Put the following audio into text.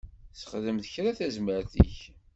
Sexdem kra tazmert-ik.